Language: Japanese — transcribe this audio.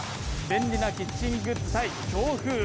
便利なキッチングッズ対強風